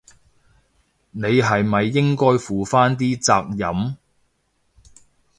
你係咪應該負返啲責任？